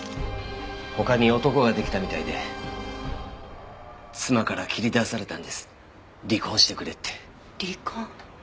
他に男が出来たみたいで妻から切り出されたんです離婚してくれって。離婚。